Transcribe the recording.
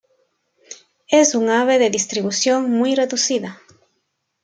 Es un ave de distribución muy reducida.